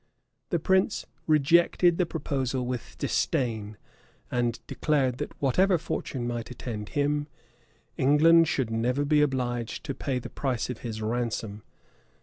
The prince rejected the proposal with disdain; and declared that, whatever fortune might attend him, England should never be obliged to pay the price of his ransom.